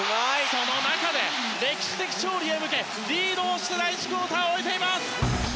その中で歴史的勝利へ向けリードをして第１クオーターを終えています。